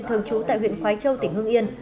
thường trú tại huyện khoái châu tỉnh hương yên